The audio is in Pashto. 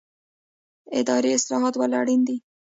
اداري اصلاحات ولې اړین دي؟